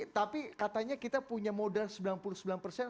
tapi katanya kita punya modal sembilan puluh sembilan persen